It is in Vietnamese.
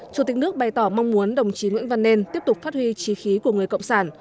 chủ tịch nước bày tỏ mong muốn đồng chí nguyễn văn nên tiếp tục phát huy trí khí của người cộng sản